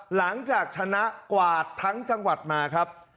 หลังจากชนะกวาดทั้งจังหวัดมาครับ